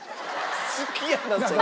好きやなそれ。